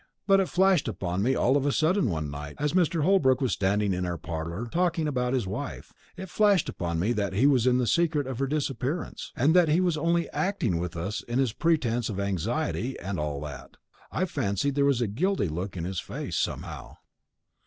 But it flashed upon me all of a sudden one night, as Mr. Holbrook was standing in our parlour talking about his wife it flashed upon me that he was in the secret of her disappearance, and that he was only acting with us in his pretence of anxiety and all that; I fancied there was a guilty look in his face, somehow."